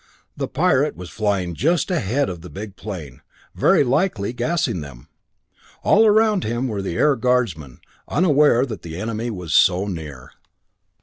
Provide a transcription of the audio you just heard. The pirate was flying just ahead of the big plane, very likely gassing them. All around him were the Air Guardsmen, unaware that the enemy was so near.